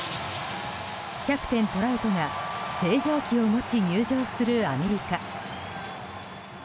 キャプテン、トラウトが星条旗を持ち入場するアメリカ。